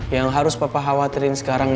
yang harus bapak khawatirin sekarang